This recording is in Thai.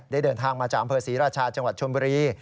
ได้เดินทางมาจากเผอร์ศรีราชาจังหวัดชมบุรี